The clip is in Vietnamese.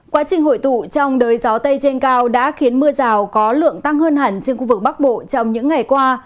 quá trình hội tụ trong đới gió tây trên cao đã khiến mưa rào có lượng tăng hơn hẳn trên khu vực bắc bộ trong những ngày qua